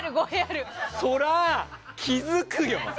そりゃ、気付くよ！